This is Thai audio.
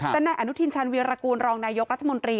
แต่นายอนุทินชาญวีรกูลรองนายกรัฐมนตรี